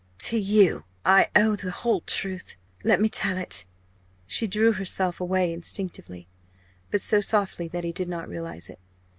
"To you I owe the whole truth let me tell it!" She drew herself away instinctively but so softly that he did not realise it.